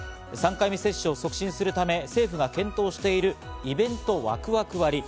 ３回目接種を促進するため、政府が検討しているイベントワクワク割。